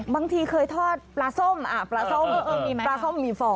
บางทีเคยทอดปลาส้มปลาส้มมีฟอง